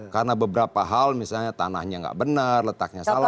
karena beberapa hal misalnya tanahnya nggak benar letaknya salah